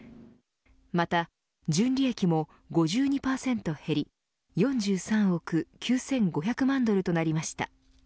また純利益も５２％減り４３億９５００万ドルとなりました。